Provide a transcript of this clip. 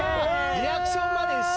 リアクションまで一緒。